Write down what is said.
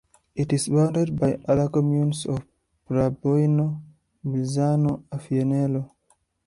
It is bounded by other communes of Pralboino, Milzano, Alfianello.